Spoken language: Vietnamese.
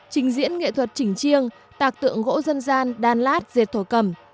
trình diễn nghệ thuật chỉnh chiêng tạc tượng gỗ dân gian đan lát dệt thổ cầm